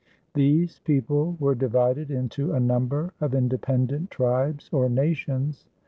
These people were divided into a number of independent tribes or nations.